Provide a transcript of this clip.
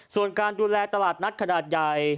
ส่วนการดูแลตลาดนัดขนาดใหญ่